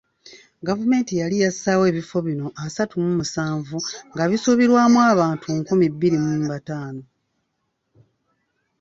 Gavumenti yali yassaawo ebifo bino asatu mu musanvu nga bisuubirwamu abantu nkumi bbiri mu bataano.